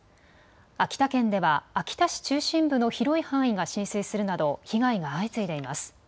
秋田県では秋田市中心部の広い範囲が浸水するなど被害が相次いでいます。